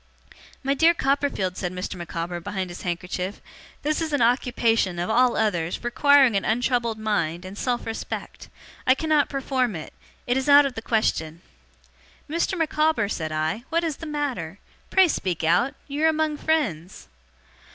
'My dear Copperfield,' said Mr. Micawber, behind his handkerchief, 'this is an occupation, of all others, requiring an untroubled mind, and self respect. I cannot perform it. It is out of the question.' 'Mr. Micawber,' said I, 'what is the matter? Pray speak out. You are among friends.